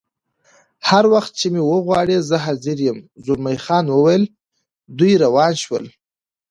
هر وخت چې مې وغواړې زه حاضر یم، زلمی خان وویل: دوی روان شول.